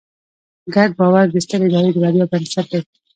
ګډ باور د سترې ادارې د بریا بنسټ دی.